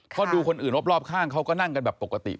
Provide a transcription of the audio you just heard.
เพราะดูคนอื่นรอบข้างเขาก็นั่งกันแบบปกติ